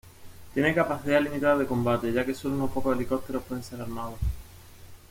Tiene capacidades limitadas de combate, ya que sólo unos pocos helicópteros pueden ser armados.